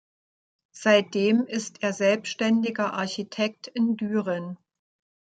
Seitdem ist er selbständiger Architekt in Düren.